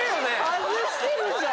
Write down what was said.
外してんじゃん！